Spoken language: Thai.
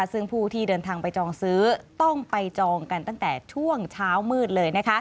ซึ่งผู้ที่เดินทางไปจองซื้อต้องไปจองกันตั้งแต่ช่วงเช้ามืดเลย